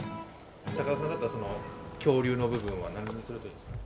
高田さんだったらその恐竜の部分は何にするといいですか？